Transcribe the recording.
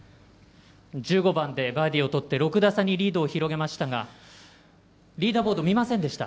１５番でバーディーとって６打差にリードを広げましたがリーダーボード見ませんでした。